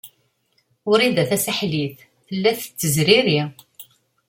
Wrida Tasaḥlit tella tettezriri.